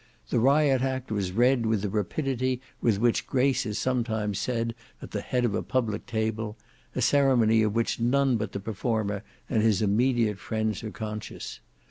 The Riot Act was read with the rapidity with which grace is sometimes said at the head of a public table—a ceremony of which none but the performer and his immediate friends are conscious.